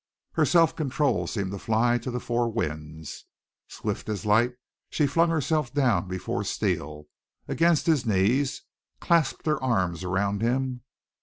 Her self control seemed to fly to the four winds. Swift as light she flung herself down before Steele, against his knees, clasped her arms round him.